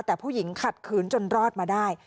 แต่ผู้หญิงขัดขืนจนรอดมาได้